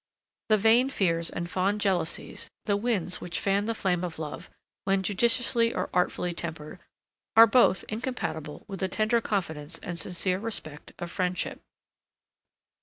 The vain fears and fond jealousies, the winds which fan the flame of love, when judiciously or artfully tempered, are both incompatible with the tender confidence and sincere respect of friendship.